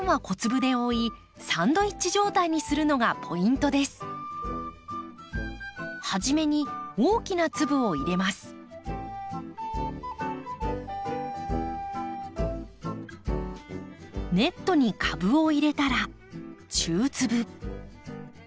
ネットに株を入れたら中粒。